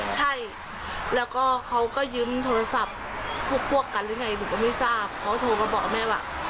ใช่แล้วก็เขาก็ยืมโทรศัพท์พวกกันหรือไงหนูก็ไม่ทราบเขาโทรมาบอกกับแม่ว่า